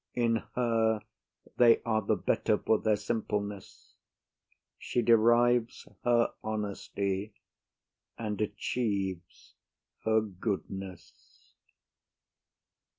In her they are the better for their simpleness; she derives her honesty, and achieves her goodness.